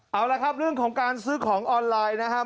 เอาละครับเรื่องของการซื้อของออนไลน์นะครับ